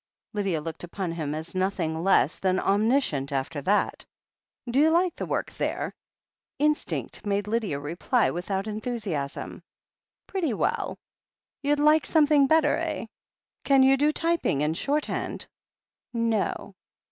Lydia looked upon him as nothing less than omnis cient after that. "D'you like the work there ?" Instinct made Lydia reply ^without enthusiasm : THE HEEL OF ACHILLES 247 "Pretty well" "You'd like something better, eh? Can you do typing and shorthand?" "No."